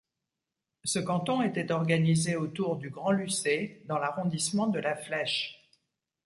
Ce canton était organisé autour du Grand-Lucé dans l'arrondissement de La Flèche.